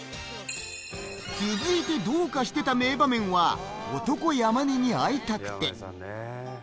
続いてのどうかしていた名場面は、男・山根に会いたくて。